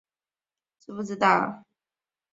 斯沃斯莫尔学院是一所私立的美国文理学院。